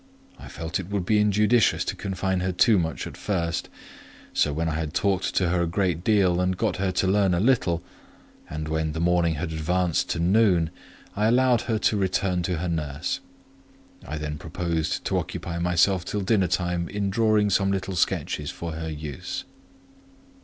I felt it would be injudicious to confine her too much at first; so, when I had talked to her a great deal, and got her to learn a little, and when the morning had advanced to noon, I allowed her to return to her nurse. I then proposed to occupy myself till dinner time in drawing some little sketches for her use.